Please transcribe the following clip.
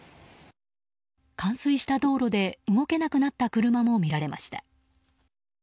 冠水した道路で動けなくなった車も見られました。